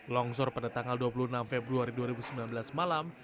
longsor pada tanggal dua puluh enam februari dua ribu sembilan belas malam